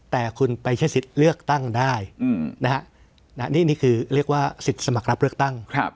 แต่คุณไปใช้สิทธิ์เลือกตั้งได้นี่คือเรียกว่าสิทธิ์สมัครรับเลือกตั้ง